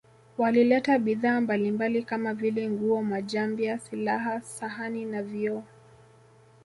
Walileta bidhaa mbalimbali kama vile nguo majambia silaha sahani na vioo